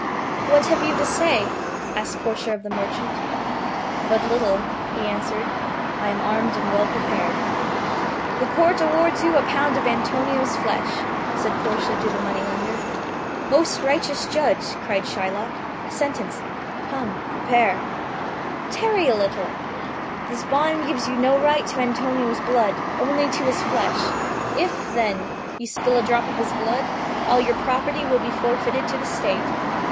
"What have you to say ?" asked Portia of the merchant. "But little," he answered ; "I am armed and well prepared." "The Court awards you a pound of Antonio's flesh," said Portia to the Jew. "Most righteous Judge !" cried the cruel Jew. "A sentence, come prepare." "Stop, Jew. This bond gives you no right to Antonio's blood, only to his flesh. If, then, you spill a drop of his blood, all your property will be forfeited to the State.